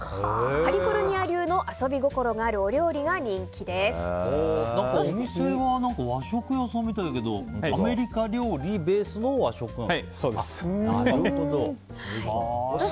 カリフォルニア流の遊び心がある料理がお店は和食屋さんみたいだけどアメリカ料理ベースの和食なんですか。